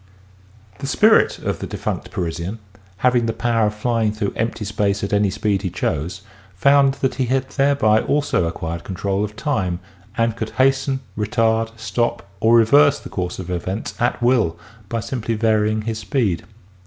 The spirit of the defunct Parisian, having the power of flying through empty space at any speed he chose, found that he had thereby also acquired control of time and could hasten, retard, stop or reverse the course of events at will by simply varying his speed.